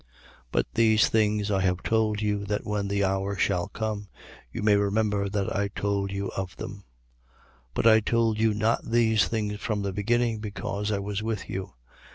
16:4. But these things I have told you, that when the hour shall come, you may remember that I told you of them. 16:5. But I told you not these things from the beginning, because I was with you.